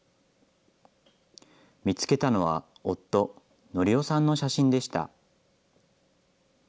見つけたのは、夫、典男さんの写真でした。